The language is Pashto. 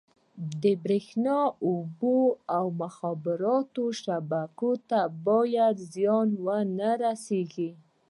د بریښنا، اوبو او مخابراتو شبکو ته باید زیان ونه رسېږي.